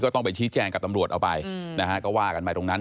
ต้องไปชี้แจงกับตำรวจเอาไปนะฮะก็ว่ากันไปตรงนั้น